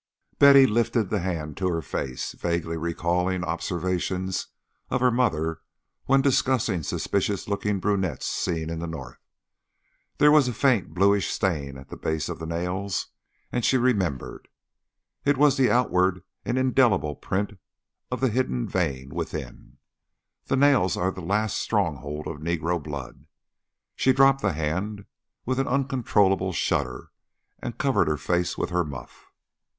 Betty lifted the hand to her face, vaguely recalling observations of her mother when discussing suspicious looking brunettes seen in the North. There was a faint bluish stain at the base of the nails; and she remembered. It was the outward and indelible print of the hidden vein within. The nails are the last stronghold of negro blood. She dropped the hand with an uncontrollable shudder and covered her face with her muff.